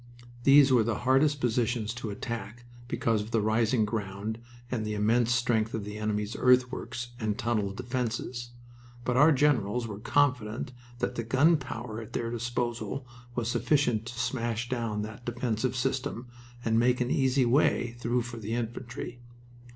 These were the hardest positions to attack, because of the rising ground and the immense strength of the enemy's earthworks and tunneled defenses. But our generals were confident that the gun power at their disposal was sufficient to smash down that defensive system and make an easy way through for the infantry.